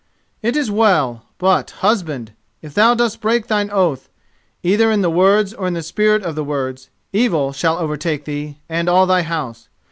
"It is well; but, husband, if thou dost break thine oath, either in the words or in the spirit of the words, evil shall overtake thee and all thy house.